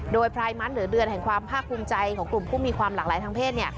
โดยพรายมันหรือเดือนแห่งความภาคภูมิใจของกลุ่มผู้มีความหลากหลายทางเพศ